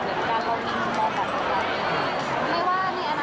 ถ้าจะเป็นเรื่องนี้ก็จะตอบว่าไม่ใช่แน่นอนค่ะ